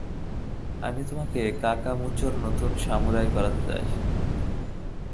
আমি তোমাকে কাকামুচোর নতুন সামুরাই করতে চাই।